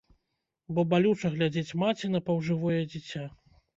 Бо балюча глядзець маці на паўжывое дзіця.